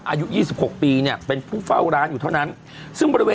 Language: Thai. อายุ๒๖ปีเป็นผู้เฝ้าร้านอยู่เท่านั้น